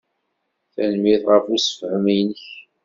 Tanemmirt ɣef ussefhem-nnek.